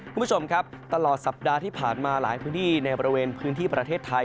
คุณผู้ชมครับตลอดสัปดาห์ที่ผ่านมาหลายพื้นที่ในบริเวณพื้นที่ประเทศไทย